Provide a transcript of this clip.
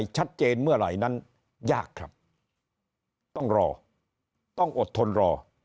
ชัดเจนเมื่อไหร่นั้นยากครับต้องรอต้องอดทนรอ